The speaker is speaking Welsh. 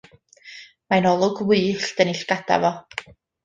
Mae 'na olwg wyllt yn 'i llgada fo.